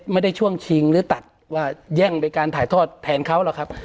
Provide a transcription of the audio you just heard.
ช่วงชิงหรือตัดว่าแย่งไปการถ่ายทอดแทนเขาหรอกครับ